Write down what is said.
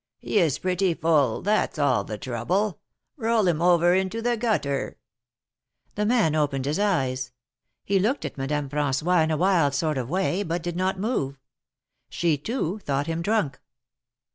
He is pretty full, that^s all the trouble ! Roll him over into the gutter ! The man opened his eyes. He looked at Madame rran9ois in a wild sort of way, but did not move. She, too, thought him drunk.